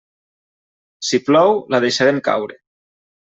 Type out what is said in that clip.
Si plou, la deixarem caure.